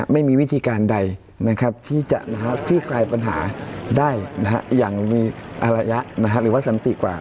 ไม่มีวิธีการใดที่จะคลี่คลายปัญหาได้อย่างมีอารยะหรือว่าสันติกว่า